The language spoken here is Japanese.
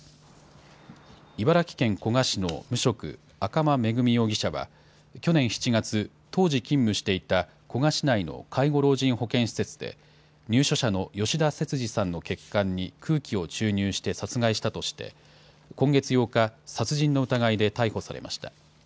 茨城県古河市の無職、赤間恵美容疑者は去年７月、当時勤務していた古河市内の介護老人保健施設で、入所者の吉田節次さんの血管に空気を注入して殺害したとして、今月８日、殺人の疑いで逮捕されました。